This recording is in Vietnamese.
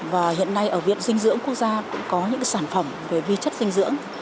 và hiện nay ở viện dinh dưỡng quốc gia cũng có những sản phẩm về vi chất dinh dưỡng